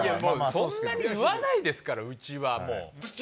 そんなに言わないですからうちは。